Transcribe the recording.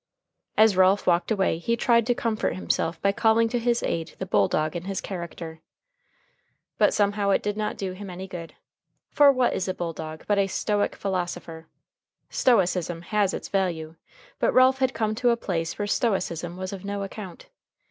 As Ralph walked away he tried to comfort himself by calling to his aid the bulldog in his character. But somehow it did not do him any good. For what is a bulldog but a stoic philosopher? Stoicism has its value, but Ralph had come to a place where stoicism was of no account.